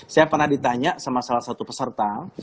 saya pernah ditanya sama salah satu peserta